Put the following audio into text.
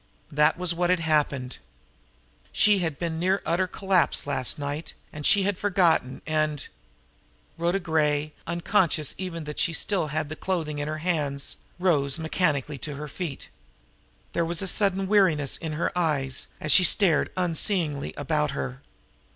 That was what had happened! She had been near utter collapse last night, and she had forgotten, and Rhoda Gray, unconscious even that she still held the clothing in her hands, rose mechanically to her feet. There was a sudden weariness in her eyes as she stared unseeingly about her.